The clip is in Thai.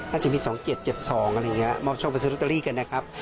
น่าจะมี๒๗๑๗อะไรเงี้ยมอบโชคไปซื้อลอตเตอรี่กันนะครับ